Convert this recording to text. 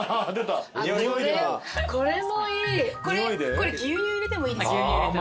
これ牛乳入れてもいいですよね。